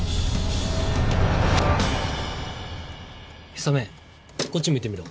氷雨こっち向いてみろ。